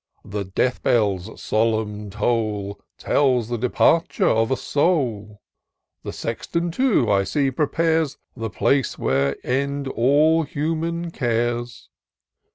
the death bell's solemn toll Tells the departure of a soul ; The Sexton too, I see, prepares The place where end all human cares.